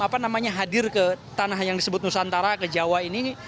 apa namanya hadir ke tanah yang disebut nusantara ke jawa ini